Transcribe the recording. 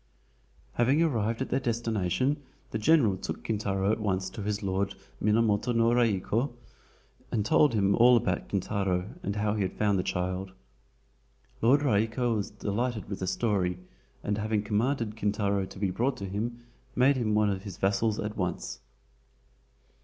Having arrived at their destination the general took Kintaro at once to his Lord, Minamoto no Raiko, and told him all about Kintaro and how he had found the child. Lord Raiko was delighted with the story, and having commanded Kintaro to be brought to him, made him one of his vassals at once.